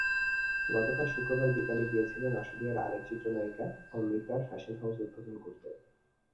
গতকাল শুক্রবার বিকেলে গিয়েছিলেন আশুলিয়ায় আরেক চিত্রনায়িকা অমৃতার ফ্যাশন হাউস উদ্বোধন করতে।